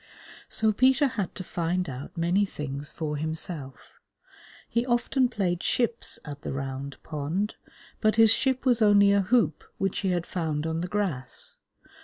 So Peter had to find out many things for himself. He often played ships at the Round Pond, but his ship was only a hoop which he had found on the grass.